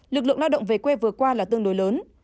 lực lượng lao động về quê vừa qua là tương đối lớn